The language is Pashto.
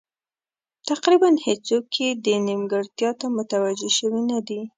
تقریبا هېڅوک یې دې نیمګړتیا ته متوجه شوي نه دي.